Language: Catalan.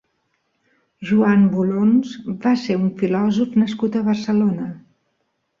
Joan Bulons va ser un filòsof nascut a Barcelona.